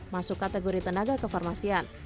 masuk kategori tenaga kefarmasian